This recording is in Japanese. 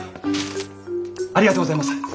ありがとうございます。